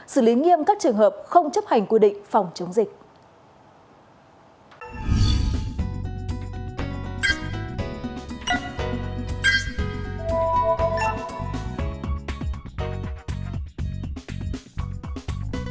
xử lý nghiêm các trường hợp không chấp hành quy định phòng chống dịch